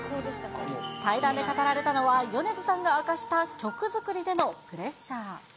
対談で語られたのは米津さんが明かした曲作りでのプレッシャー。